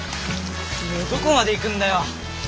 どこまで行くんだよ？